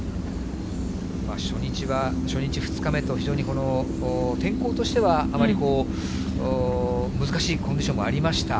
初日、２日目と、非常に天候としては、あまりこう、難しいコンディションもありました。